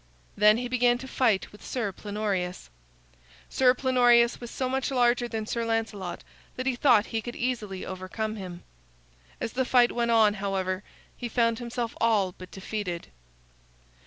Then he began to fight with Sir Plenorius. Sir Plenorius was so much larger than Sir Lancelot that he thought he could easily overcome him. As the fight went on, however, he found himself all but defeated.